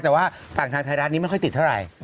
แต่ว่าฝั่งทางไทยรัฐนี้ไม่ค่อยติดเท่าไหร่